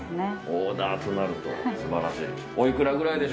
オーダーとなると、素晴らしい。